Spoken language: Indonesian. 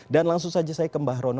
dan langsung saja saya ke mbah rono